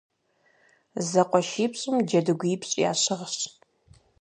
ЗэкъуэшипщӀым джэдыгуипщӀ ящыгъщ.